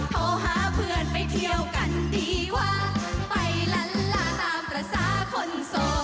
โทรหาเพื่อนไปเที่ยวกันดีว่าไปล้านลาตามภาษาคนโสด